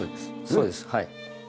そうですはい。